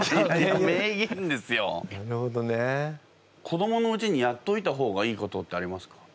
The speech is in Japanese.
子どものうちにやっといた方がいいことってありますか？